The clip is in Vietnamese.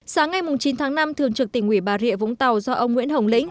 sáng ngày chín tháng năm thường trực tỉnh ủy bà rịa vũng tàu do ông nguyễn hồng lĩnh